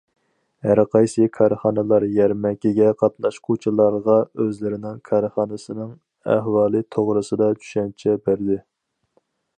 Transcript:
ھەر قايسى كارخانىلار يەرمەنكىگە قاتناشقۇچىلارغا ئۆزلىرىنىڭ كارخانىسىنىڭ ئەھۋالى توغرىسىدا چۈشەنچە بەردى.